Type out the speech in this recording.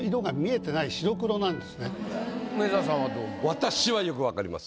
私はよく分かります。